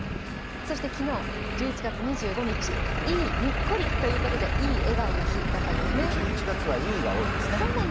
そして昨日、１１月２５日、いい、にっこりということでいいえがおの日だったんですね。